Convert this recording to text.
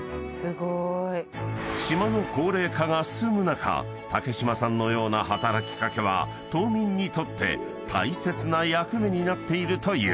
［島の高齢化が進む中武島さんのような働き掛けは島民にとって大切な役目になっているという］